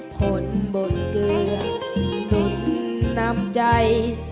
ผลบนเกลือบนน้ำใจ